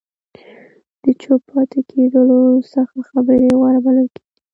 د چوپ پاتې کېدلو څخه خبرې غوره بلل کېږي.